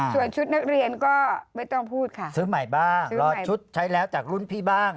ส่วนชุดนักเรียนก็ไม่ต้องพูดค่ะซื้อใหม่บ้างรอชุดใช้แล้วจากรุ่นพี่บ้าง